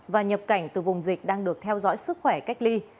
và nhập cảnh từ vùng dịch đang được theo dõi sức khỏe cách ly